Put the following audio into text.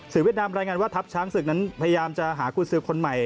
เวียดนามรายงานว่าทัพช้างศึกนั้นพยายามจะหากุญสือคนใหม่